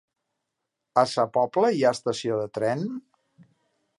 A Sa Pobla hi ha estació de tren?